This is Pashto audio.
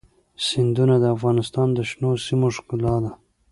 سیندونه د افغانستان د شنو سیمو ښکلا ده.